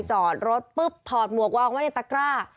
จอดรถปุ๊บถอดหมวกวางไว้ในตะกร้า